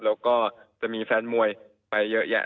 แล้วก็จะมีแฟนมวยไปเยอะแยะ